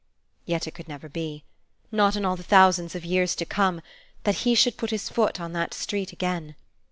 Yet it could never be not in all the thousands of years to come that he should put his foot on that street again!